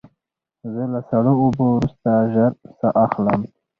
زه له سړو اوبو وروسته ژر ساه اخلم.